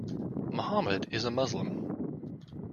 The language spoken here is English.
Mohammed is a Muslim.